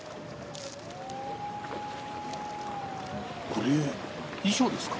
これ遺書ですか？